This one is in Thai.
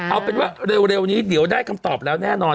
เอาเป็นว่าเร็วนี้เดี๋ยวได้คำตอบแล้วแน่นอน